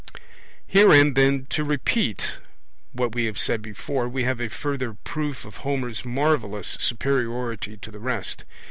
Herein, then, to repeat what we have said before, we have a further proof of Homer's marvellous superiority to the rest.